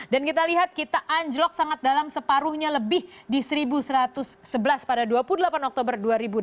kita lihat kita anjlok sangat dalam separuhnya lebih di satu satu ratus sebelas pada dua puluh delapan oktober dua ribu dua puluh